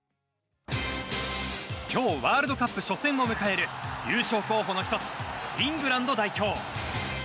今日ワールドカップ初戦を迎える優勝候補の１つイングランド代表。